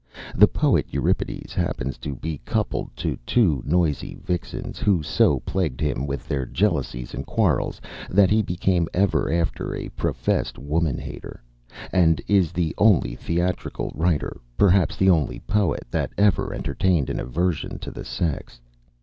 The poet Euripides happened to be coupled to two noisy vixens, who so plagued him with their jealousies and quarrels, that he became ever after a professed woman hater; and is the only theatrical writer, perhaps the only poet, that ever entertained an aversion to the sex....